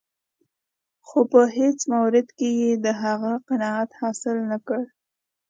خو په هېڅ مورد کې یې د هغه قناعت حاصل نه کړ.